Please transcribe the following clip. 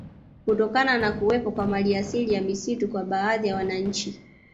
Kutokana na kuwepo kwa maliasili ya misitu kwa baadhi ya wananchi